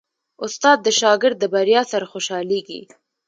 استاد د شاګرد د بریا سره خوشحالېږي.